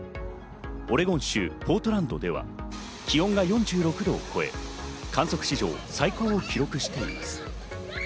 オレゴン州ポートランドでは気温が４６度を超え、観測史上最高を記録しています。